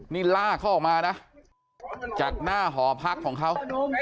นี่ลากเขาออกมานะจากหน้าหอพักของเขา